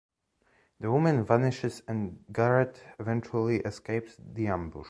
The woman vanishes and Garrett eventually escapes the ambush.